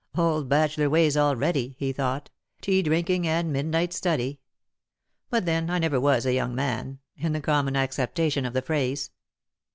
" Old bachelor ways already," he thought ;" tea drinking and midnight study. But, then, I never was a young man — in the common acceptation of the phrase."